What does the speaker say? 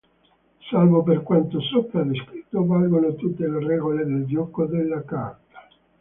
Salvo per quanto sopra descritto, valgono tutte le regole del gioco della carta.